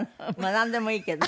「なんでもいいけど」。